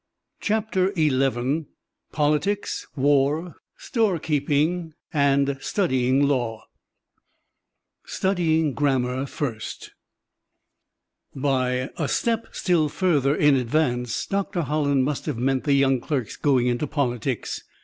CHAPTER XI POLITICS, WAR, STOREKEEPING AND STUDYING LAW STUDYING GRAMMAR FIRST By "a step still further in advance" Dr. Holland must have meant the young clerk's going into politics.